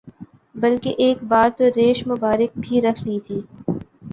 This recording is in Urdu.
بلکہ ایک بار تو ریش مبارک بھی رکھ لی تھی